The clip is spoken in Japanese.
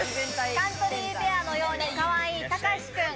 カントリーベアのようにかわいい隆志くん。